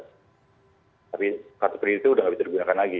tapi kartu kredit itu udah nggak bisa digunakan lagi